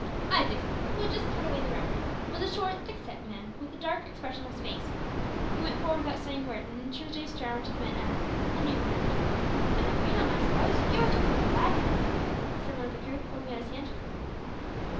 Isaacs, who had just cut away the raft, was a short, thick set man, with a dark, expressionless face. He went forward without saying a word, and introduced Jarwin to the men as a "new 'and." "And a green un, I s'pose; give us your flipper, lad," said one of the crew, holding out his hand.